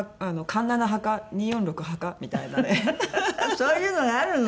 そういうのがあるの？